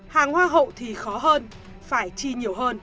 hàng hoa hậu thì khó hơn phải chi nhiều hơn